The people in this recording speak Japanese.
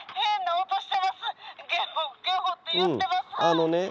あのね胸